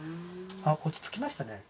あ落ち着きましたね。